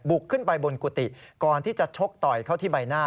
ขึ้นไปบนกุฏิก่อนที่จะชกต่อยเข้าที่ใบหน้า